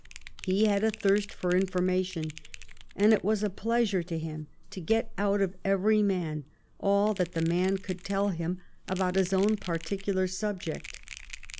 He had a thirst for information, and it was a pleasure to him to get out of every man all that the man could tell him about his own particular subject.